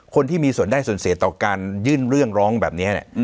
คนที่มีส่วนได้ส่วนเสียต่อการยื่นเรื่องร้องแบบนี้